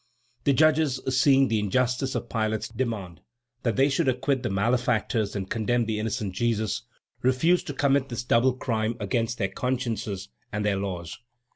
The judges, seeing the injustice of Pilate's demand, that they should acquit the malefactors and condemn the innocent Jesus, refused to commit this double crime against their consciences and their laws.